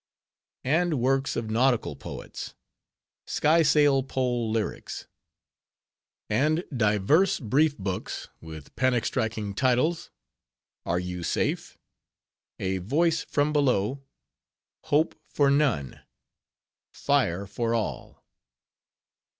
And works of nautical poets:— "Sky Sail Pole Lyrics." And divers brief books, with panic striking titles:— "Are you safe?" "A Voice from Below." "Hope for none." "Fire for all."